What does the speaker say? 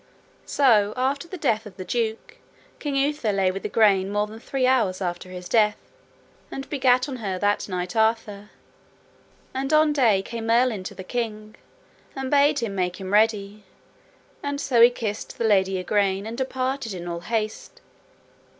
So after the death of the duke, King Uther lay with Igraine more than three hours after his death, and begat on her that night Arthur, and on day came Merlin to the king, and bade him make him ready, and so he kissed the lady Igraine and departed in all haste.